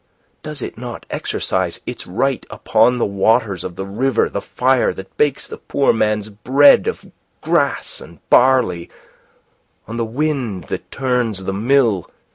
Does it not exercise its rights upon the waters of the river, the fire that bakes the poor man's bread of grass and barley, on the wind that turns the mill?